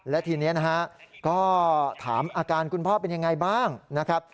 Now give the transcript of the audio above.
และทีนี้นะฮะก็ถามอาการคุณพ่อเป็นยังไงบ้างนะครับ